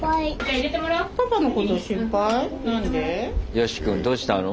ヨシくんどうしたの？